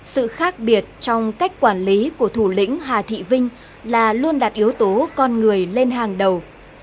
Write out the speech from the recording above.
sự khác biệt trong cách quản lý của thủ lĩnh hà thị vinh là luôn đặt yếu tố con người lên hàng đầu